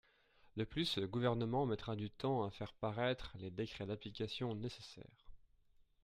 De plus, le Gouvernement mettra du temps à faire paraître les décrets d’application nécessaires.